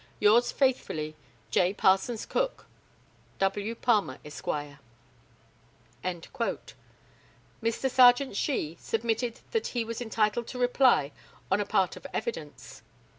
Yours faithfully, "J. PARSONS COOK." "W. Palmer, Esq." Mr. Serjeant SHEE submitted that he was entitled to reply on a part of evidence.